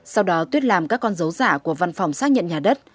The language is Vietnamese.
sau đó tuyết làm các con dấu giả của văn phòng xác nhận nhà đất